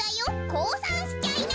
こうさんしちゃいな。